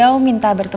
aku mau ke kantor